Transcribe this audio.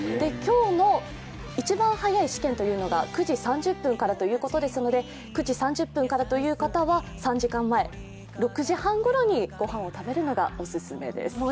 今日の一番早い試験は９時３０分からということですから９時３０分からという方は３時間前、６時半ごろにごはんを食べるのがオススメです。